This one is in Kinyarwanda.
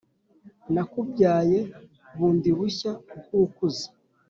nakubyaye bundi bushya nkukunze